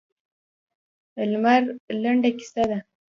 لمر لنډه کیسه ده.